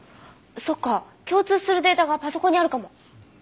そっか共通するデータがパソコンにあるかも。